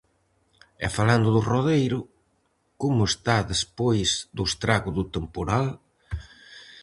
E falando do Rodeiro, como está despois do estrago do temporal?